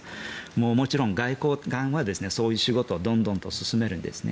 もちろん外交官はそういう仕事をどんどんと進めるんですね。